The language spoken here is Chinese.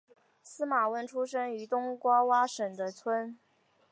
司马温出生于东爪哇省的村。